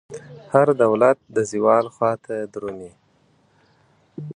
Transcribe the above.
هر دولت د زوال خواته درومي.